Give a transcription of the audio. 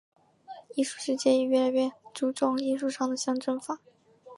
艺术世界也越来越注重艺术上的象征法。